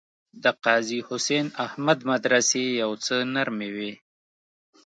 د قاضي حسین احمد مدرسې یو څه نرمې وې.